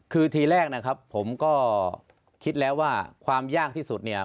คือทีแรกนะครับผมก็คิดแล้วว่าความยากที่สุดเนี่ย